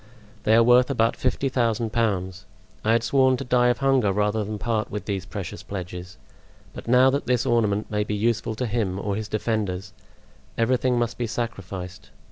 They are worth about fifty thousand pounds. I had sworn to die of hunger rather than part with these precious pledges; but now that this ornament may be useful to him or his defenders, everything must be sacrificed.